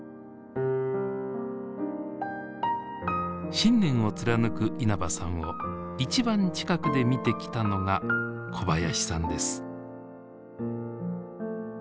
信念を貫く稲葉さんを一番近くで見てきたのが小林さんです。